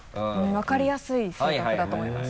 分かりやすい性格だと思います